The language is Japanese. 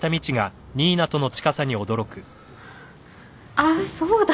あっそうだ！